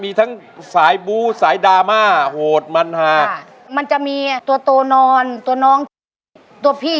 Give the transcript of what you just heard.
มีทั้งสายบู๊สายดราม่าโหดมันหาค่ะมันจะมีอ่ะตัวโตนอนตัวน้องที่ตัวพี่